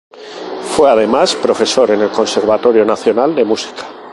Fue además profesor en el Conservatorio Nacional de Música.